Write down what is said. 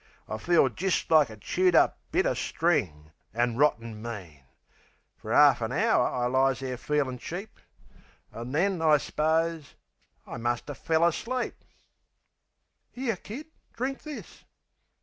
I feel jist like a chewed up bit of string, An' rotten mean! Fer 'arf an hour I lies there feelin' cheap; An' then I s'pose, I muster fell asleep.... "'Ere, Kid, drink this"...